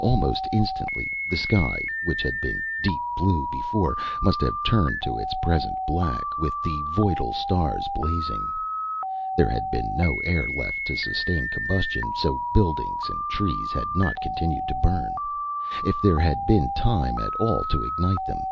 Almost instantly, the sky, which had been deep blue before, must have turned to its present black, with the voidal stars blazing. There had been no air left to sustain combustion, so buildings and trees had not continued to burn, if there had been time at all to ignite them.